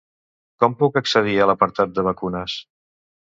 Com puc accedir a l'apartat de vacunes?